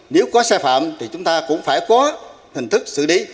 nếu có sai phạm thì chúng ta cũng phải có hình thức xử lý